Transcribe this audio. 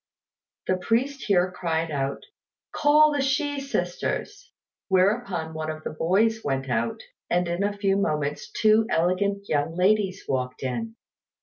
The priest here cried out, "Call the Shih sisters," whereupon one of the boys went out, and in a few moments two elegant young ladies walked in.